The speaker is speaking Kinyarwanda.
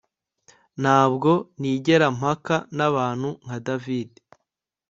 Ntabwo nigera mpaka nabantu nka David